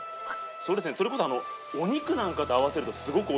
そうですねそれこそお肉なんかと合わせるとすごくおいしいですね。